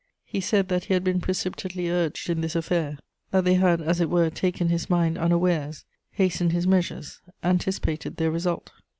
He said that he had been precipitately urged in this affair; that they had as it were taken his mind unawares, hastened his measures, anticipated their result....